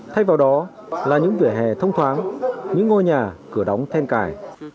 thay vào đó là những vỉa hè thông thoáng những ngôi nhà cửa đóng then cài